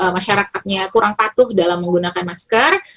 masyarakatnya kurang patuh dalam menggunakan masker